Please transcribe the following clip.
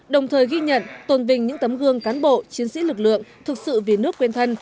đồng thời ghi nhận tồn vinh những tấm gương cán bộ chiến sĩ lực lượng thực sự vì nước quên thân